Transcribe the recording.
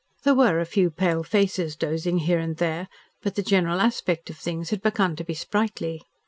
There were a few pale faces dozing here and there, but the general aspect of things had begun to be sprightly.